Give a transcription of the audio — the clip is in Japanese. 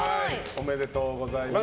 ありがとうございます。